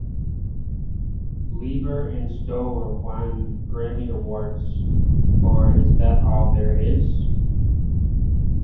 Leiber and Stoller won Grammy awards for Is That All There Is?